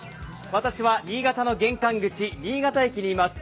私は新潟の玄関口、新潟駅にいます。